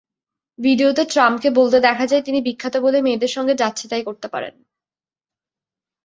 ভিডিওতে ট্রাম্পকে বলতে দেখা যায়, তিনি বিখ্যাত বলেই মেয়েদের সঙ্গে যাচ্ছেতাই করতে পারেন।